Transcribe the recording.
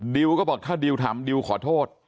ดิวก็บอกถ้าดิวทำดิวขอโทษ